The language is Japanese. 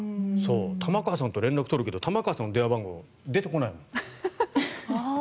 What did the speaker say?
玉川さんと連絡取るけど玉川さんの電話番号出てこないもん。